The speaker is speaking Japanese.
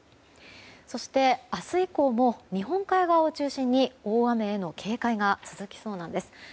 そして、明日以降も日本海側を中心に大雨への警戒が続きそうなんです。